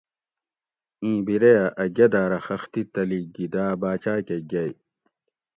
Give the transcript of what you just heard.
اِیں بِریہ ا گدھاۤ رہ خختی تلی گھی داۤ باچاۤ کہ گیئے